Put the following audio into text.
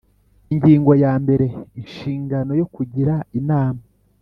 Ingingo ya mbere Inshingano yo kugira Inama